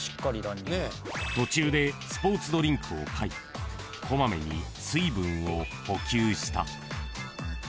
［途中でスポーツドリンクを買い小まめに水分を補給した］